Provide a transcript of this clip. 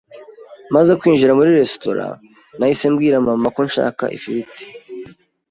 Maze kwinjira muri restaurant, nahise mbwira mama ko nshaka ifiriti.